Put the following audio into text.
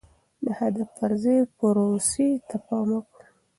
د هدف پر ځای پروسې ته پام وکړئ.